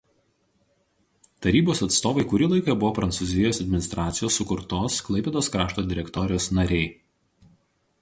Tarybos atstovai kurį laiką buvo Prancūzijos administracijos sukurtos Klaipėdos krašto Direktorijos nariai.